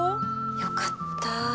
☎よかった。